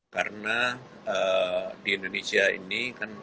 karena di indonesia ini kan